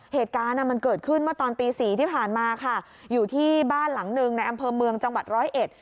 เหตุการณ์อ่ะมันเกิดขึ้นเมื่อตอนตีสี่ที่ผ่านมาค่ะอยู่ที่บ้านหลังหนึ่งในอำเภอเมืองจังหวัดร้อยเอ็ด